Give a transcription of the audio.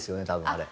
あれ。